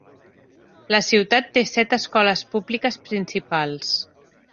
La ciutat té set escoles públiques principals.